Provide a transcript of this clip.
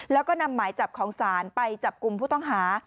แล้วก็นำหมายจับของศาลไปจับกลุ่มผู้ต้องหา